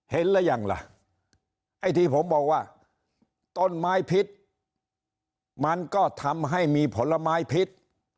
หรือยังล่ะไอ้ที่ผมบอกว่าต้นไม้พิษมันก็ทำให้มีผลไม้พิษ